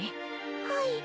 はい。